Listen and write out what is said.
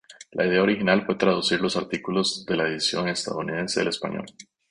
La idea original fue traducir los artículos de la edición estadounidense al español.